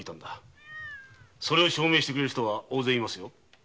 証明してくれる人は大勢いますよ。